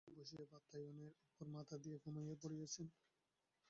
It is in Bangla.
ভূমিতলে বসিয়া বাতায়নের উপরে মাথা দিয়া ঘুমাইয়া পড়িয়াছেন।